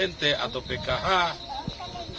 ataukah bantuan sejenis lainnya dari pemerintah